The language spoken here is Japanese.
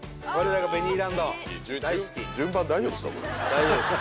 大丈夫です。